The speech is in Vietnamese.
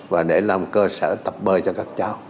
và để làm cơ sở tập bơi cho các cháu